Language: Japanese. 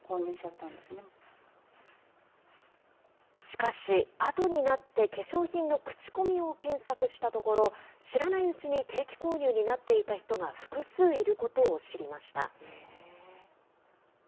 しかし、あとになって、化粧品の口コミを検索したところ、知らないうちに定期購入になっていた人が複数いることを知りました。